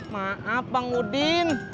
maaf bang udin